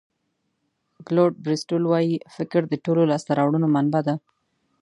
کلوډ بریسټول وایي فکر د ټولو لاسته راوړنو منبع ده.